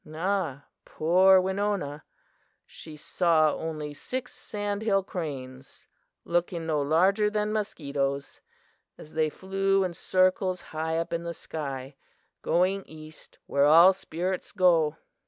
"Ah, poor Winona! She saw only six sandhill cranes, looking no larger than mosquitoes, as they flew in circles high up in the sky, going east where all spirits go.